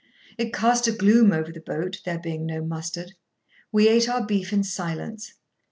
It cast a gloom over the boat, there being no mustard. We ate our beef in silence.